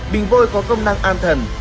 bình vôi có công năng an thần